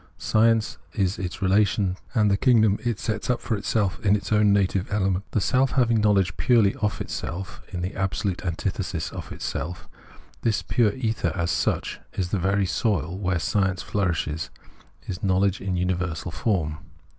Science is its realisation, and the kingdom it sets up for itself in its own native element. A self having knowledge purely of itself in the absp lute antithesis of itself, this pure ether as such, is the very soil where science flourishes, is knowledge in universal form.